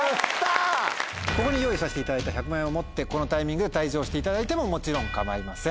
ここに用意させていただいた１００万円を持ってこのタイミングで退場していただいてももちろん構いません。